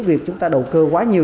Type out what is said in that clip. việc chúng ta đầu cơ quá nhiều